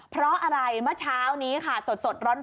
เพราะอะไรเมื่อเช้านี้ค่ะสดร้อน